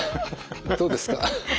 どうですか？